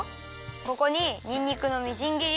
ここににんにくのみじん切り。